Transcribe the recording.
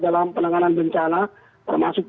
dalam penanganan bencana termasuk